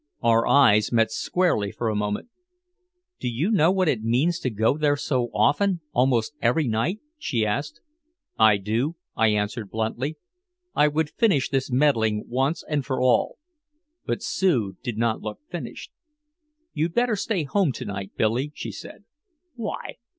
Our eyes met squarely for a moment. "Do you know what it means to go there so often, almost every night?" she asked. "I do," I answered bluntly. I would finish this meddling once and for all. But Sue did not look finished. "You'd better stay home to night, Billy," she said. "Why?"